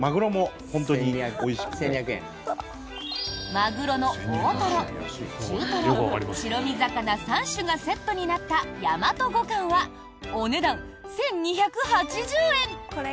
マグロの大トロ、中トロ白身魚３種がセットになったやまと五貫はお値段１２８０円！